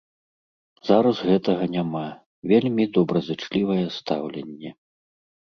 Зараз гэтага няма, вельмі добразычлівае стаўленне.